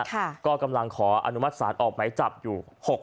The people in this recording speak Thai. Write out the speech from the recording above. ค่ะก็กำลังขออนุมัติศาสตร์ออกไหม้จับอยู่๖รายน่ะฮะ